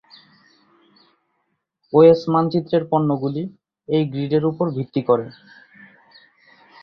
OS মানচিত্রের পণ্যগুলি এই গ্রিডের উপর ভিত্তি করে।